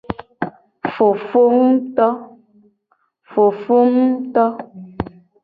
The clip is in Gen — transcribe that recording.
Fofowu to.